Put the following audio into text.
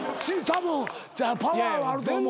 パワーはあると思う。